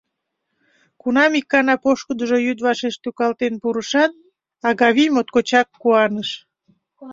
Кунам икана пошкудыжо йӱд вашеш тӱкалтен пурышат, Агавий моткочак куаныш.